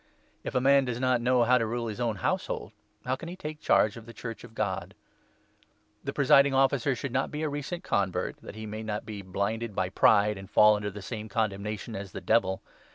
If a man does not know how to rule his own 5 household, how can he take charge of the Church of God ? The Presiding Officer should not be a recent convert, that he 6 may not be blinded by pride and fall under the same con demnation as the Devil.